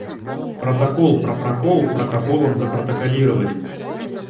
Протокол про прокол протоколом запротоколировали.